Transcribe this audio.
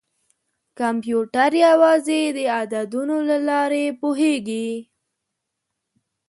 کمپیوټر یوازې د عددونو له لارې پوهېږي.